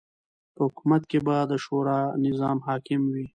په حکومت کی به د شورا نظام حاکم وی